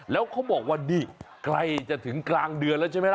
แล้วเขาบอกว่านี่ใกล้จะถึงกลางเดือนแล้วใช่ไหมล่ะ